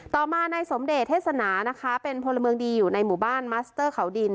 ต่อมานายสมเดชเทศนานะคะเป็นพลเมืองดีอยู่ในหมู่บ้านมัสเตอร์เขาดิน